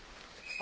あ！